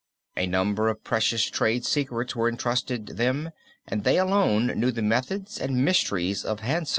A number of precious trade secrets were entrusted them, and they alone knew the methods and mysteries of Hansa.